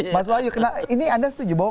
mas wahyu ini anda setuju bahwa